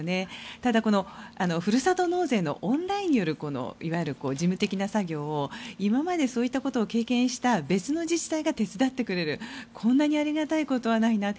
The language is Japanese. ただ、ふるさと納税のオンラインによる事務的な作業を今までそういったことを経験した別の自治体が手伝ってくれるこんなにありがたいことはないなと。